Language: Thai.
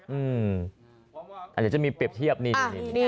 อืมอาจจะมีเปรียบเทียบนี่นี่